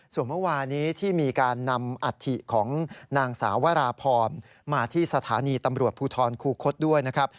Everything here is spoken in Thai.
ส่วนเมื่อวานี้ที่มีการนำอัฐิของนางสาววราพรมาที่สถานีตำรวจภูทรคูคศด้วยนะครับ